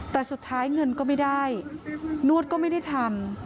แต่สุดท้ายเงินก็ไม่ได้นวดก็ไม่ได้ทำ